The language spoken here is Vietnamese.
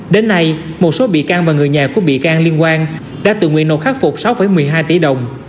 đến nay một số bị can và người nhà của bị can liên quan đã tự nguyện nộp khắc phục sáu một mươi hai tỷ đồng